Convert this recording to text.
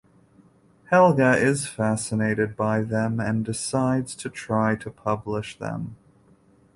Helga is fascinated by them and decides to try to publish them.